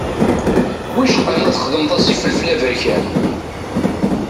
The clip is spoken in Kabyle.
Wicqa ma txedmeḍ-as ifelfel aberkan.